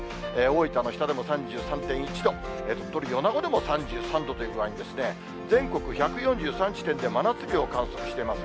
大分の日田でも３３．１度、鳥取・米子でも３３度ということで、全国１４３地点で、真夏日を観測しています。